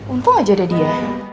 untung aja ada dia